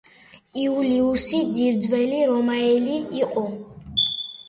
იულიუსი ძირძველი რომაელი იყო.